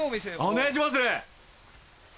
お願いします！